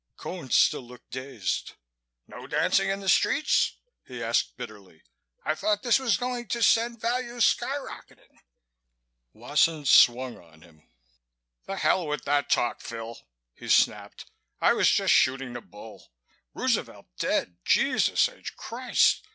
Cone still looked dazed. "No dancing in the streets?" he asked bitterly. "I thought this was going to send values sky rocketing." Wasson swung on him. "The hell with that talk, Phil," he snapped. "I was just shooting the bull. Roosevelt dead! Jesus H. Christ!